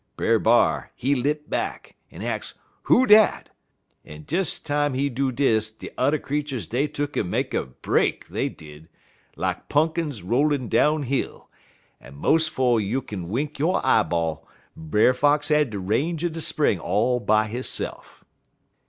Brer B'ar, he lip back, en ax who dat, en des time he do dis de t'er creeturs dey tuck'n make a break, dey did, lak punkins rollin' down hill, en mos' 'fo' youk'n wink yo' eye ball, Brer Fox had de range er de spring all by hisse'f.